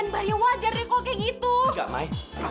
dengar ya satria